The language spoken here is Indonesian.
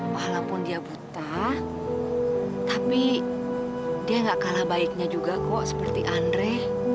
walaupun dia butah tapi dia gak kalah baiknya juga kok seperti andre